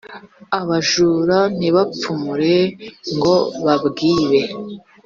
abajura ntibapfumure ngo babwibe